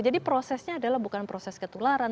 jadi prosesnya adalah bukan proses ketularan